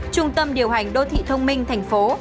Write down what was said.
trung tâm điều hành đô thị thông minh thành phố